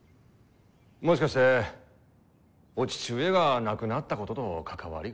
もしかしてお父上が亡くなったことと関わりが？